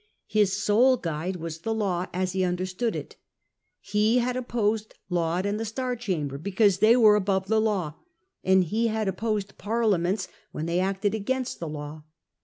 His sole guide was the law, as he understood it. He had opposed Laud and the Star Chamber because they were above the law, and he had opposed Parliaments when they acted against the law.